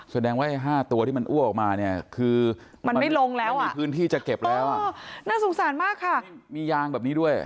แสดงว่าไอ้๕ตัวที่มันอ้วกออกมาเนี่ยคือมันไม่ลงแล้วอ่ะมีพื้นที่จะเก็บแล้วอ่ะน่าสงสารมากค่ะมียางแบบนี้ด้วย